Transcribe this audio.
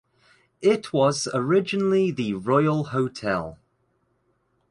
It was originally the Royal Hotel.